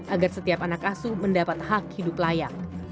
agar setiap anak asuh mendapat hak hidup layak